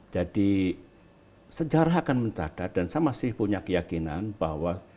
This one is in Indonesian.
jadi sejarah akan mencadat dan saya masih punya keyakinan bahwa